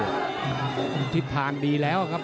คุณผิดทางดีแล้วครับ